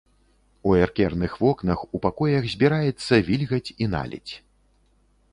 У эркерных вокнах у пакоях збіраецца вільгаць і наледзь.